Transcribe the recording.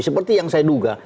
seperti yang saya duga